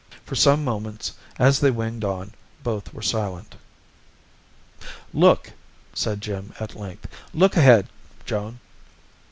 For some moments, as they winged on, both were silent. "Look!" said Jim at length. "Look ahead, Joan!"